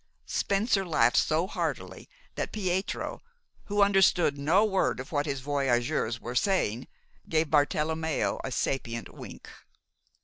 Spencer laughed so happily that Pietro, who understood no word of what his voyageurs were saying, gave Bartelommeo a sapient wink.